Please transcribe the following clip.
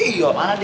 iya mana dia